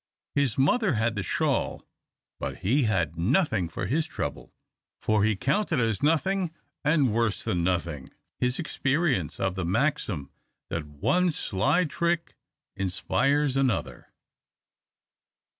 His mother had the shawl, but he had nothing for his trouble, for he counted as nothing and worse than nothing his experience of the maxim that one sly trick inspires another.